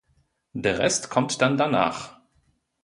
Der Rest kommt dann danach.